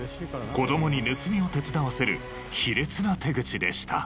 子供に盗みを手伝わせる卑劣な手口でした。